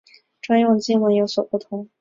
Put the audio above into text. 专用经文有所不同。